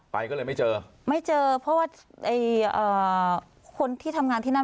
ไปก็เลยไม่เจอไม่เจอเพราะว่าคนที่ทำงานที่นั่น